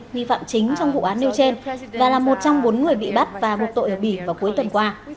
nghi phạm chính trong vụ án nêu trên và là một trong bốn người bị bắt và buộc tội ở bỉ vào cuối tuần qua